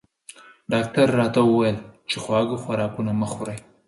ډاکټر راته وویل چې خواږه خوراکونه مه خورئ